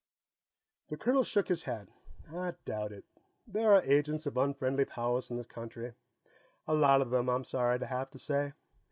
The colonel shook his head. "I doubt it. There are agents of unfriendly powers in this country a lot of them, I'm sorry to have to say.